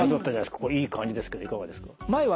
これいい感じですけどいかがですか？